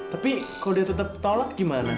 tapi kalo dia tetep tolak gimana